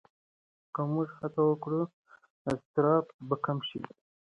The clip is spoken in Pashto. که موږ هڅه وکړو، اضطراب به کم شي.